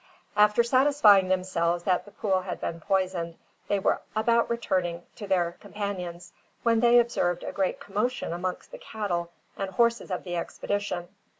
After satisfying themselves that the pool had been poisoned, they were about returning to their companions, when they observed a great commotion amongst the cattle and horses of the expedition.